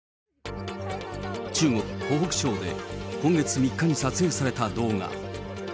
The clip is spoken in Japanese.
中国・湖北省で今月３日に撮影された動画。